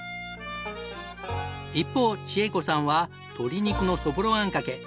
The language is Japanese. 一方千惠子さんは鶏肉のそぼろあんかけ。